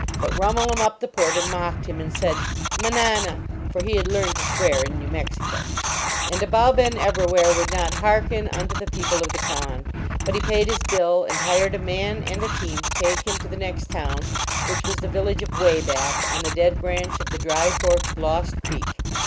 " But Rhumul em Uhp the Porter mocked him and said : "Manana! " For he had learned to swear in New Mex ico. And Abou Ben Evrawhair would not heark en unto the people of the kahn. But he paid his bill, and hired a man and a team to take him to the next town, which was the village of Wayback, on the Dead Branch of the Dry Fork of Lost Creek.